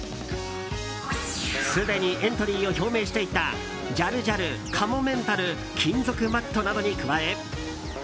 すでにエントリーを表明していたジャルジャル、かもめんたる金属バットなどに加え。